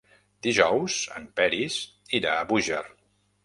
Dijous en Peris irà a Búger.